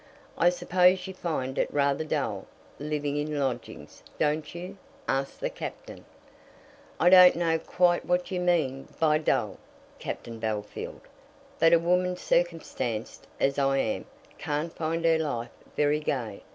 "I suppose you find it rather dull, living in lodgings; don't you?" asked the Captain. "I don't know quite what you mean by dull, Captain Bellfield; but a woman circumstanced as I am, can't find her life very gay.